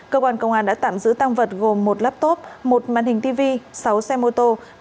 cơ quan công an đã tạm giữ tăng vật gồm một laptop một màn hình tv sáu xe mô tô